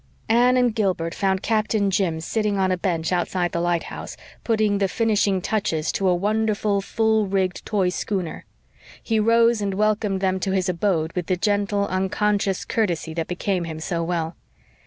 Anne and Gilbert found Uncle Jim sitting on a bench outside the lighthouse, putting the finishing touches to a wonderful, full rigged, toy schooner. He rose and welcomed them to his abode with the gentle, unconscious courtesy that became him so well.